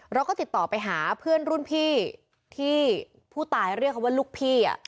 เราก็ติดต่อไปหาเพื่อนรุ่นพี่ที่ผู้ตายเรียกเขาว่าลูกพี่